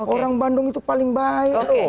orang bandung itu paling baik